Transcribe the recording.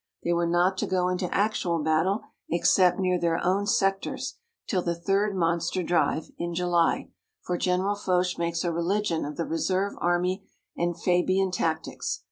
They were not to go into actual battle, except near their own sectors, till the third monster drive, in July, for General Foch makes a religion of the reserve army and Fabian tactics.